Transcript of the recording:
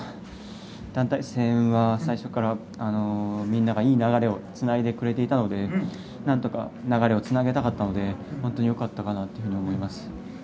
団体戦は最初からみんながいい流れをつないでくれていたのでなんとか流れをつなげたかったので本当によかったなと思います。